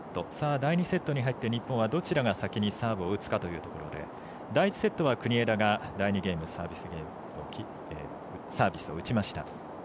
第２セットに入って日本はどちらが先にサーブを打つかというところで第１セットは国枝がサービスを打ちました。